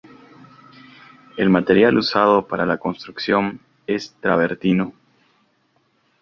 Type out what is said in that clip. El material usado para la construcción es travertino.